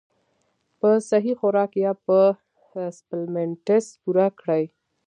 پۀ سهي خوراک يا پۀ سپليمنټس پوره کړي -